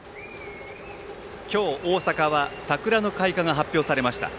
今日、大阪は桜の開花が発表されました。